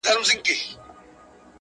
مېنه یوه ده له هري تر بدخشان وطنه -